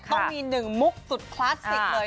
ต้องมี๑มุกสุดคลาสสิกเลย